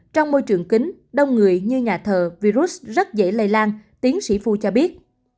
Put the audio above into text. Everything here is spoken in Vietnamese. trong môi trường kính đông người như nhà thờ virus rất dễ lây lan tiến sĩ phu cho biết